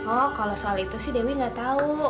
oh kalau soal itu sih dewi gak tahu